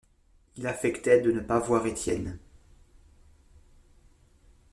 Il affectait de ne pas voir Étienne.